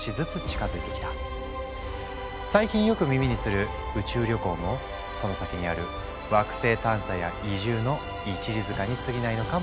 最近よく耳にする宇宙旅行もその先にある惑星探査や移住の一里塚にすぎないのかもしれない。